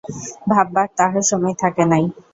ভাববার তাহার সময় থাকে নাই।